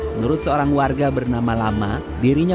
menurut seorang warga bernama lama dirinya